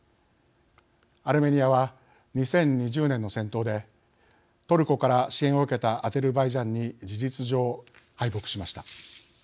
アルメニアは２０２０年の戦闘でトルコから支援を受けたアゼルバイジャンに事実上、敗北しました。